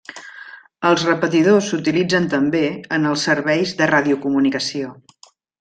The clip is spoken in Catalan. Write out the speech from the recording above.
Els repetidors s'utilitzen també en els serveis de radiocomunicació.